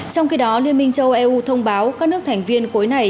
trong khi đó liên minh châu âu eu thông báo các nước thành viên cuối này